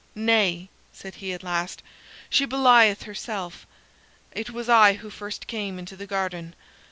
"Nay," said he at last, "she belieth herself. It was I who first came into the garden.